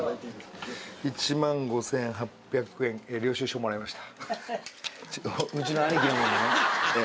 １万５８００円領収書もらいました。